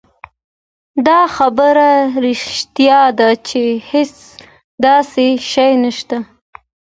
دا خبره رښتيا ده چې هېڅ داسې شی نشته